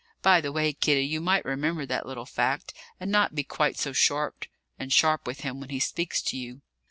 By the way, Kitty, you might remember that little fact, and not be quite so short and sharp with him when he speaks to you."